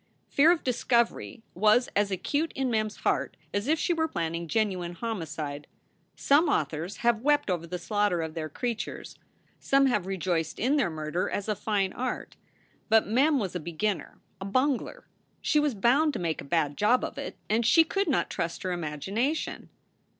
Fear of discovery was as acute in Mem s heart as if she were planning genuine homicide. Some authors have wept over the slaughter of their creatures; some have rejoiced in their murder as a fine art. But Mem was a beginner, a bungler. She was bound to make a bad job of it, and she could not trust her imagination.